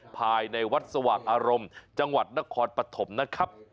ภายในวัดสว่างอารมณ์จังหวัดนครปฐมนะครับ